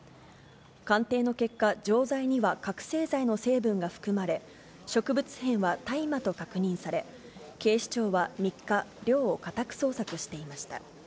鑑定の結果、錠剤には覚醒剤の成分が含まれ、植物片は大麻と確認され、警視庁は３日、寮を家宅捜索していました。